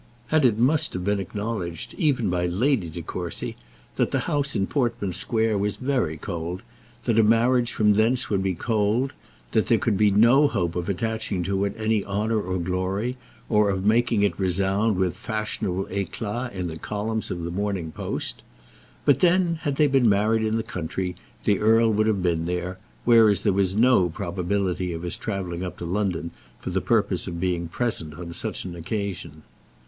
And it must have been acknowledged, even by Lady De Courcy, that the house in Portman Square was very cold that a marriage from thence would be cold, that there could be no hope of attaching to it any honour and glory, or of making it resound with fashionable éclat in the columns of the Morning Post. But then, had they been married in the country, the earl would have been there; whereas there was no probability of his travelling up to London for the purpose of being present on such an occasion.